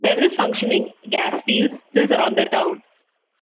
Several functioning gas fields still surround the town.